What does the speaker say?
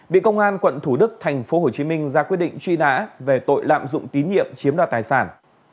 bị công an tp hcm ra quyết định truy nã về tội lạm dụng tín nhiệm chiếm đoạt tài sản